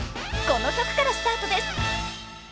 ［この曲からスタートです］